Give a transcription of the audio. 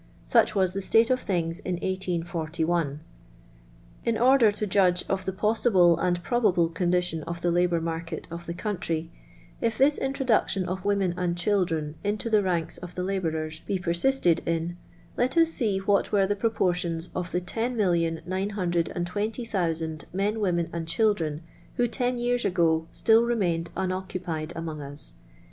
Such was the suite of things in 1841. In order to judge of the possible and probable condition of the labour market of the country, if this introduction of women and children into the ranks of the labourers be persisted in, let us see what were the proportions of the 10,920,000 men, women, and children who ten years ago still remained unoccupied among us.